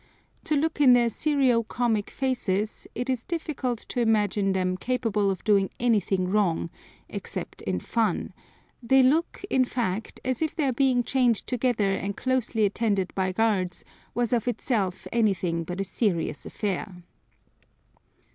To look in their serio comic faces it is difficult to imagine them capable of doing anything wrong, except in fun: they look, in fact, as if their being chained together and closely attended by guards was of itself anything but a serious affair.